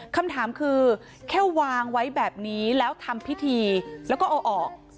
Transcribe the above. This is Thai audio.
คำถามคือแค่วางไว้แบบนี้แล้วทำพิธีแล้วก็เอาออก